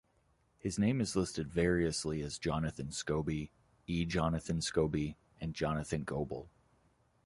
His name is listed variously as "Jonathan Scobie", "E. Jonathan Scobie" and "Jonathan Goble".